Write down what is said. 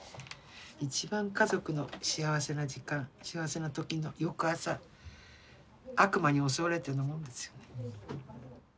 一番家族の幸せな時間幸せな時の翌朝悪魔に襲われたようなもんですよね。